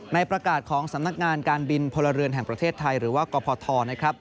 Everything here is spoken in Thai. ในประกาศของสำนักงานการบินพลเรือนแห่งประเทศไทยหรือว่ากพทนะครับ